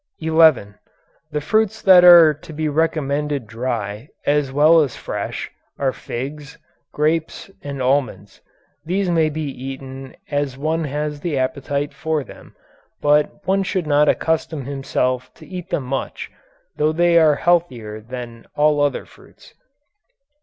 11. The fruits that are to be recommended dry as well as fresh, are figs, grapes, and almonds. These may be eaten as one has the appetite for them, but one should not accustom himself to eat them much, though they are healthier than all other fruits.